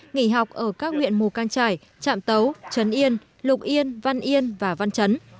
nghỉ học ở các nguyện mù cang trải trạm tấu trấn yên lục yên văn yên và văn trấn